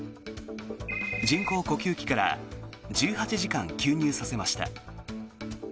人工呼吸器から１８時間吸入させました。